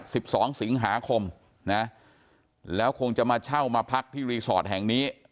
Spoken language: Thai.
สิบสองสิงหาคมนะแล้วคงจะมาเช่ามาพักที่รีสอร์ทแห่งนี้